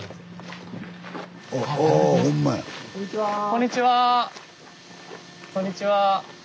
こんにちは。